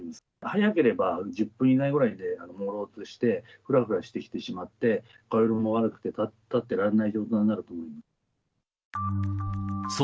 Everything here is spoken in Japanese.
早ければ１０分以内ぐらいでもうろうとして、ふらふらしてきてしまって顔色も悪くて、立ってられない状況になると思います。